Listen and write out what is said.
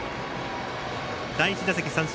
第１打席、三振。